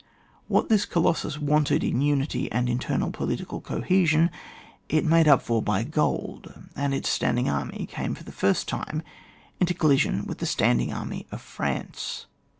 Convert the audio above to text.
What this colossus wanted in imity and internal political cohesion, it made up for by gold, and its standing army came for the first time into coUision with the standing army of France.